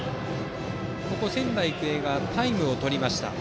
仙台育英がタイムをとりました。